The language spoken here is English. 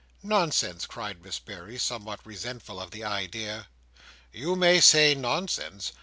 "Nonsense!" cried Miss Berry—somewhat resentful of the idea. "You may say nonsense!